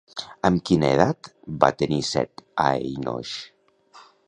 Amb quina edat va tenir Set a Enoix?